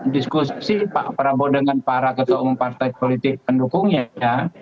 diskusi pak prabowo dengan para ketua umum partai politik pendukungnya